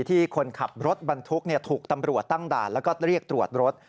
ที่คนขับรถบรรทุกถูกตำรวจตั้งด่านแล้วก็เรียกตรวจรถ